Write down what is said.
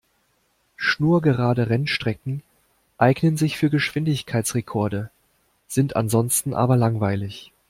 Schnurgerade Rennstrecken eignen sich für Geschwindigkeitsrekorde, sind ansonsten aber langweilig.